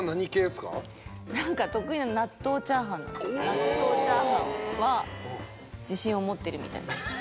納豆チャーハンは自信を持ってるみたい。